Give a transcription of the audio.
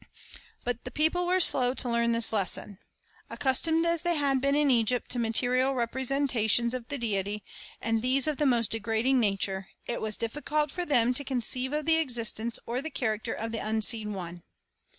But the people were slow to learn the lesson. Accustomed as they had been in Egypt to material representations of the Deity, and these of the most de«radin<r nature, it was difficult for them to conceive of the existence or the character of the Unseen One.